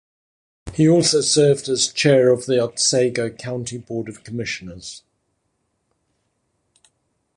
He also served as chair of the Otsego County Board of Commissioners.